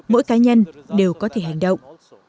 mỗi cá nhân đều có thể hành động